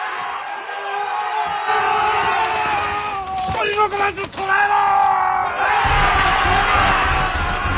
一人残らず捕らえろ！